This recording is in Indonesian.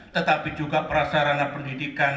tetapi juga prasarana pendidikan